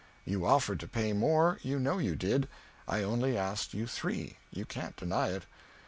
You offered to pay more, you know you did. I only asked you three; you can't deny it."